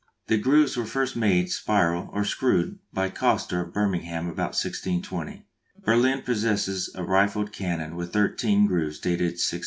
The grooves were first made spiral or screwed by Koster of Birmingham about 1620. Berlin possesses a rifled cannon with thirteen grooves dated 1664.